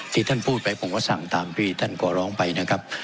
ที่ท่านพูดไปผมก็สั่งตามที่ท่านขอร้องไปนะครับ